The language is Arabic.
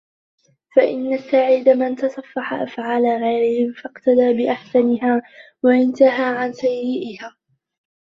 فَإِنَّ السَّعِيدَ مَنْ تَصَفَّحَ أَفْعَالَ غَيْرِهِ فَاقْتَدَى بِأَحْسَنِهَا وَانْتَهَى عَنْ سَيِّئِهَا